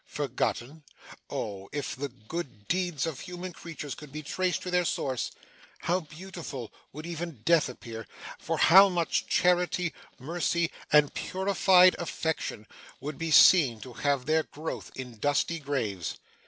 Forgotten! oh, if the good deeds of human creatures could be traced to their source, how beautiful would even death appear; for how much charity, mercy, and purified affection, would be seen to have their growth in dusty graves!